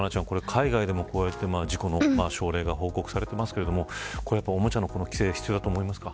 海外でもこうやって事故の症例が報告されていますがおもちゃの規制は必要だと思いますか。